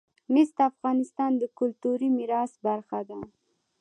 مس د افغانستان د کلتوري میراث برخه ده.